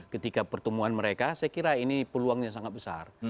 ketika pertemuan mereka saya kira ini peluangnya sangat besar